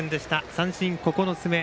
三振９つ目。